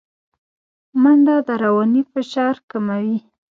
منډه د رواني فشار کموي